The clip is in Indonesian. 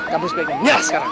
kamu sebaiknya nyala sekarang